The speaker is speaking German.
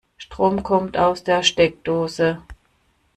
Strom kommt aus der Steckdose.